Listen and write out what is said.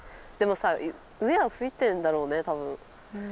でもさ上は吹いてんだろうねたぶん。